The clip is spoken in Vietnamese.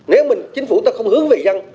nếu mà chính phủ ta không hướng về răng